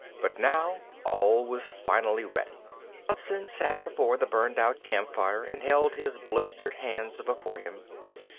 But now all was finally ready. Hudson sat before the burned out campfire and held his blistered hands before him.